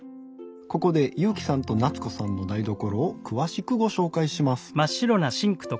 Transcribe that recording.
ここでゆうきさんとなつこさんの台所を詳しくご紹介します。